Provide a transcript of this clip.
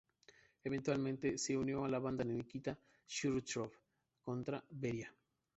Eventualmente se unió al bando de Nikita Jrushchov contra Beria.